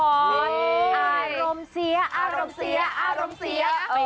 อารมณ์เสียอารมณ์เสียอารมณ์เสีย